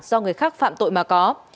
do người khác phạm tội mà có